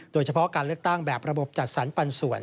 โดยเฉพาะการเลือกตั้งแบบระบบจัดสรรปันส่วน